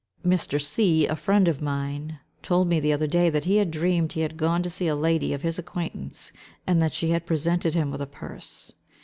Mr. C——, a friend of mine, told me the other day, that he had dreamed he had gone to see a lady of his acquaintance, and that she had presented him with a purse.